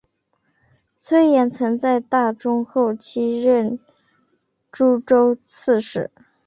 崔彦曾在大中后期任诸州刺史。